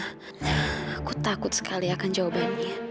aku takut sekali akan jawabannya